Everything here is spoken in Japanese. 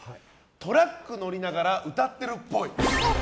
トラック乗りながら歌ってるっぽい。